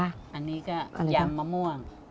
อันนี้ก็ยำมะม่วง